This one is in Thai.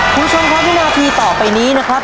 ผู้ชมครบหนึ่งนาทีต่อไปนี้นะครับ